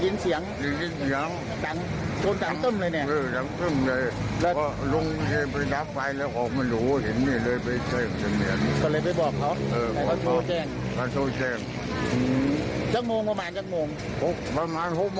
๑๐นาทีโอ้โฮครับครับ